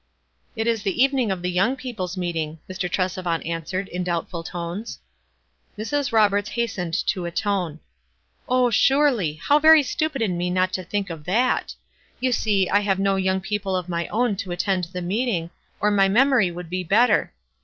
" It is the evening of the young people's meeting," Mr. Tresevant answered, in doubtful tones. Mrs. Roberts hastened to atone. " Oh, surely ! How very stupid in me not to think of that 4 You see I have no young people of my own to attend the meeting, or my memory would be better.